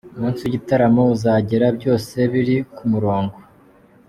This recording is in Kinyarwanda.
Umunsi w’igitaramo uzagera byose biri ku murongo.